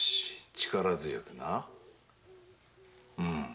力強くな。